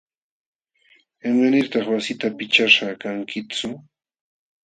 ¿Imanirtaq wasita pichashqa kankitsu?